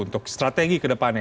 untuk strategi ke depannya